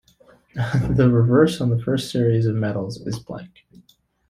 The reverse on the first series of medals is blank.